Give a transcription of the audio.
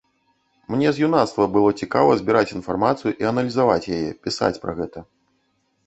Мне з юнацтва было цікава збіраць інфармацыю і аналізаваць яе, пісаць пра гэта.